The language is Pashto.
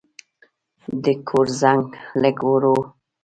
د کور زنګ لږ ورو و.